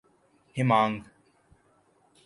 ہمانگ